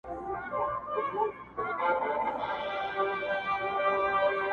چا بچي غېږ کي نیول کراروله -